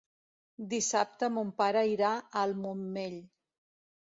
Dissabte mon pare irà al Montmell.